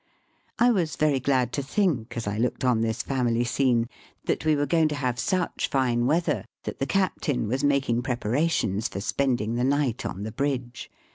I was very glad to think, as I looked on this family scene, that we were going to have such fine weather that the captain was making preparar Digitized by VjOOQIC 40 EAST BY WEST. tions for spending the night on the bridge.